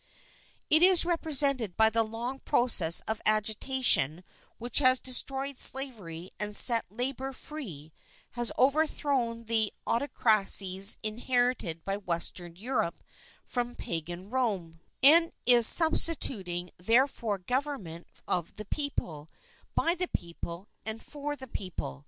?;^", It is represented by the long process of agita tion which has destroyed slavery and set labour free, has overthrown the autocracies inherited ^ by Western Europe from pagan Rome, and is substituting therefor government of the people, by the people, and for the people.